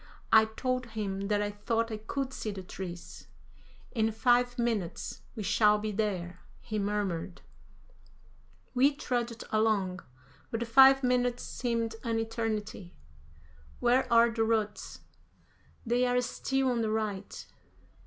I told him that I thought I could see the trees. "In five minutes we shall be there," he murmured. We trudged along, but the five minutes seemed an eternity. "Where are the ruts?" "They are still on the right."